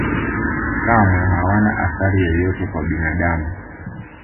kamwe hawana athari yoyote kwa binadamu